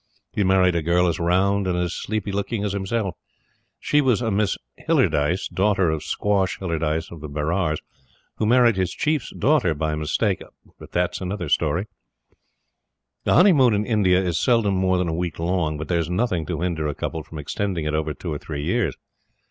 He married a girl as round and as sleepy looking as himself. She was a Miss Hillardyce, daughter of "Squash" Hillardyce of the Berars, who married his Chief's daughter by mistake. But that is another story. A honeymoon in India is seldom more than a week long; but there is nothing to hinder a couple from extending it over two or three years.